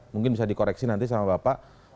mungkin bisa dikoreksi nanti sama bapak